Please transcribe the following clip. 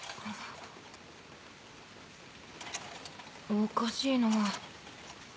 おかしいな。